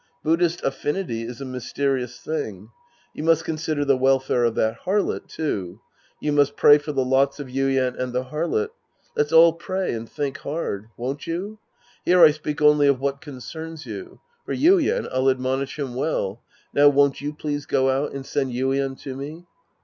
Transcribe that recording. Buddhist affinity is a mysterious thing. You must consider the welfare of that harlot, too. You must pray for the lots of Yuien and the harlot. Let's all pray and think hard. Won't you ? Here I speak only of what concerns you. For Yuien, I'll admonish him well. Now won't you please go out and send Yuien to me.